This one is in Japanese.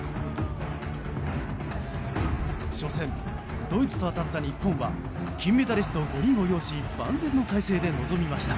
初戦、ドイツと当たった日本は金メダリスト５人を擁し万全の態勢で臨みました。